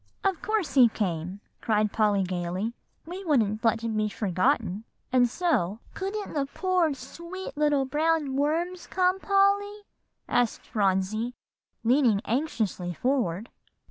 "Of course he came," cried Polly gayly; "we wouldn't let him be forgotten, and so" "Couldn't the poor dear sweet little brown worms come, Polly?" asked Phronsie, leaning anxiously forward.